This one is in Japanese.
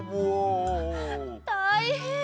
たいへん！